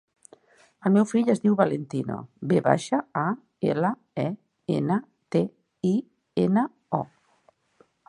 El meu fill es diu Valentino: ve baixa, a, ela, e, ena, te, i, ena, o.